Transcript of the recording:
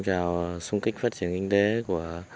trào xung kích phát triển kinh tế của